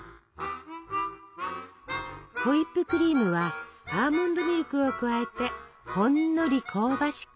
ホイップクリームはアーモンドミルクを加えてほんのり香ばしく。